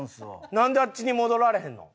なんであっちに戻られへんの？